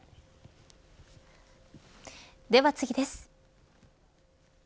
では次です。